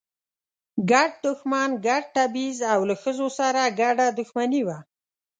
ګډ دښمن، ګډ تبعیض او له ښځو سره ګډه دښمني وه.